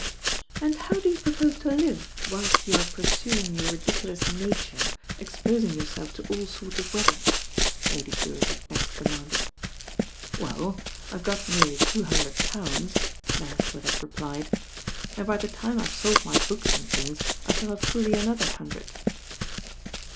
And how do you propose to live whilst you arc pursumg your ridiculous Nature, exposing yourself to all sorts of weather?" Lady Drewitt had next de manded. "WeU, I've got nearly two hundred pounds,' »r so THE RAIN GIRL I ','! Bcrcsford had replied, "and by the time IVe sold my books and things I shall have fully another hun dred."